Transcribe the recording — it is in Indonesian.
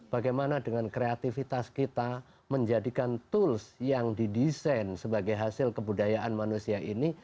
bagaimana dengan kreativitas kita menjadikan tools yang didesain sebagai hasil kebudayaan manusia ini